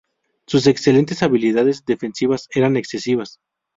Sus excelentes habilidades defensivas eran excesivas.